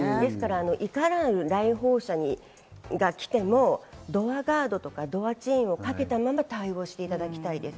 いかなる来訪者が来てもドアガードとかドアチェーンをかけたまま対応していただきたいです。